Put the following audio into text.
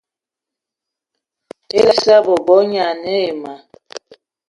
Issa bebo gne ane ayi ma